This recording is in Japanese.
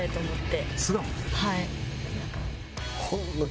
はい。